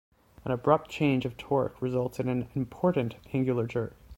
An abrupt change of the torque results in an important angular jerk.